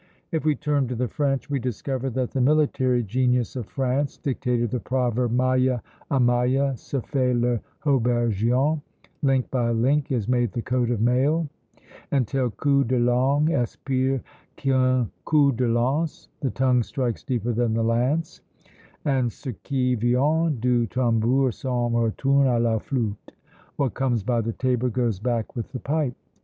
If we turn to the French, we discover that the military genius of France dictated the proverb Maille à maille se fait le haubergeon: "Link by link is made the coat of mail;" and, Tel coup de langue est pire qu'un coup de lance; "The tongue strikes deeper than the lance;" and Ce qui vient du tambour s'en retourne à la flute; "What comes by the tabor goes back with the pipe."